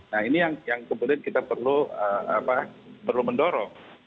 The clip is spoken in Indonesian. nah ini yang kemudian kita perlu mendorong